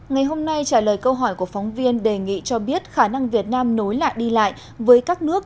ngày hôm nay trả lời câu hỏi của phóng viên đề nghị cho biết khả năng việt nam nối lại đi lại với các nước